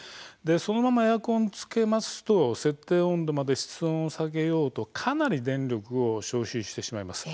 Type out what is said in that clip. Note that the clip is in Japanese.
そのままエアコンをつけますと設定温度まで室温を下げようとかなり電力を消費してしまいます。